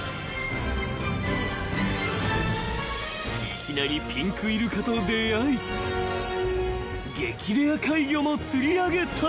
［いきなりピンクイルカと出合い激レア怪魚も釣り上げた］